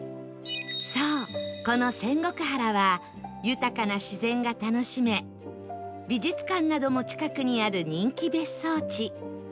そうこの仙石原は豊かな自然が楽しめ美術館なども近くにある人気別荘地